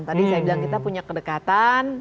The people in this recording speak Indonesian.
tadi saya bilang kita punya kedekatan